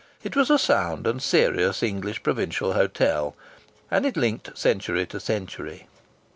It was a sound and serious English provincial hotel, and it linked century to century.